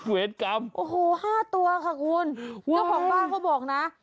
เวรกรรมโอ้โหห้าตัวค่ะคุณเจ้าของบ้านเขาบอกนะ